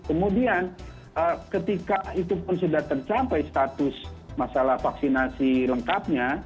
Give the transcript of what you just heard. kemudian ketika itu pun sudah tercapai status masalah vaksinasi lengkapnya